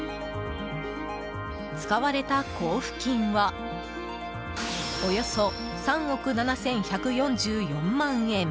使われた交付金はおよそ３億７１４４万円。